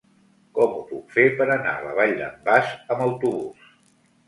Com ho puc fer per anar a la Vall d'en Bas amb autobús?